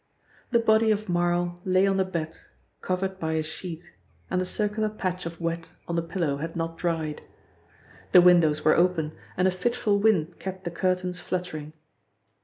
The body of Marl lay on the bed covered by a sheet and the circular patch of wet on the pillow had not dried. The windows were open and a fitful wind kept the curtains fluttering.